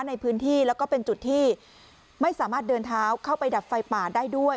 ในพื้นที่แล้วก็เป็นจุดที่ไม่สามารถเดินเท้าเข้าไปดับไฟป่าได้ด้วย